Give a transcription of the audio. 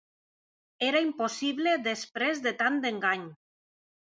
Era impossible després de tant d'engany.